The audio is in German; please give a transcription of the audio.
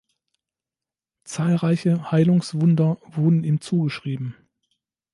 Zahlreiche Heilungswunder wurden ihm zugeschrieben.